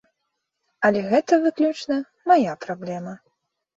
Але гэта выключна мая праблема.